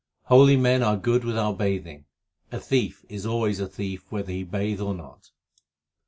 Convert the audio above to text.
Holy men are good without bathing ; a thief is always a thief whether he bathe or not.